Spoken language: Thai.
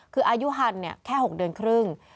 คืออายุฮันแค่๖เดือนครึ่ง